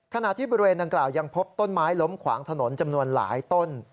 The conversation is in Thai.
ขณะที่บริเวณดังกล่าวยังพบต้นไม้ล้มขวางถนนจำนวนหลายต้น